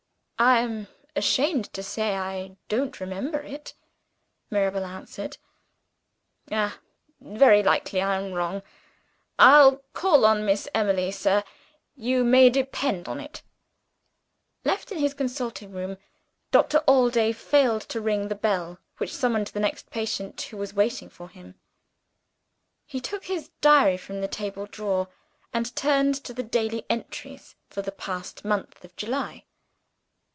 "I am ashamed to say I don't remember it," Mirabel answered. "Ah, very likely I'm wrong! I'll call on Miss Emily, sir, you may depend on it." Left in his consulting room, Doctor Allday failed to ring the bell which summoned the next patient who was waiting for him. He took his diary from the table drawer, and turned to the daily entries for the past month of July.